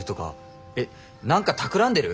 えっ何かたくらんでる？